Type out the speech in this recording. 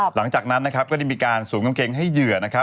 หลังจากนั้นก็ได้มีการสวมกางเกงให้เหยื่อ